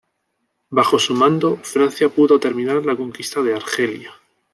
Bajo su mando Francia pudo terminar la conquista de Argelia.